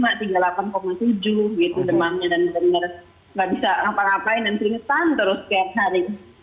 dan bener gak bisa ngapa ngapain dan terserah terus setiap hari